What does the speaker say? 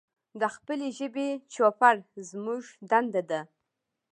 د خپلې ژبې چوپړ زمونږ دنده ده.